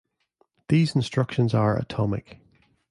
These instructions are Atomic.